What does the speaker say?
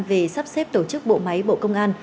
về sắp xếp tổ chức bộ máy bộ công an